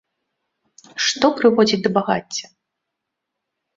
Што прыводзіць да багацця?